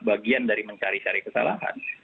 bagian dari mencari cari kesalahan